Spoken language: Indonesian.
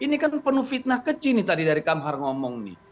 ini kan penuh fitnah kecil nih tadi dari kamhar ngomong nih